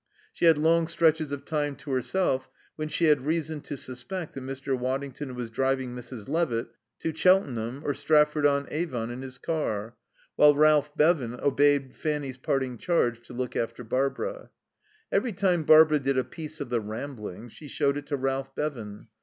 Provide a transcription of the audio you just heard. She had long stretches of time to herself, when she had reason to suspect that Mr. Waddington was driving Mrs. Leavitt to Cheltenham or Stratford on Avon in his car, while Ralph Bevan obeyed Fanny's parting charge to look after Barbara. Every time Barbara did a piece of the Ramblings she showed it to Ralph Bevan.